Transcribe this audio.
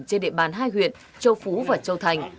trên địa bàn hai huyện châu phú và châu thành